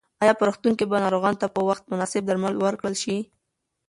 ایا په روغتون کې به ناروغانو ته په وخت مناسب درمل ورکړل شي؟